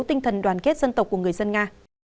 tinh thần đoàn kết dân tộc của người dân nga